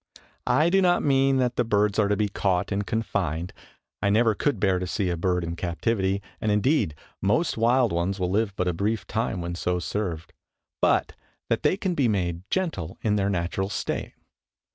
I do not mean that the birds are to be caught and confined; I never could bear to see a bird in captivity, and indeed most wild ones will live but a brief time when so served, but that they can be made gentle in their natural state.